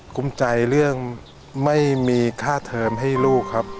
คุ้มใจเรื่องไม่มีค่าเทอมให้ลูกครับ